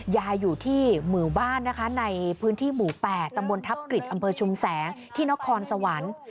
อยู่ที่หมู่บ้านนะคะในพื้นที่หมู่๘ตำบลทัพกฤษอำเภอชุมแสงที่นครสวรรค์